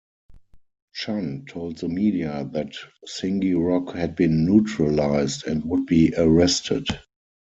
Chan told the media that Singirok had been neutralised and would be arrested.